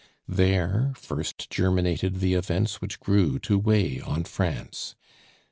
There first germinated the events which grew to weigh on France.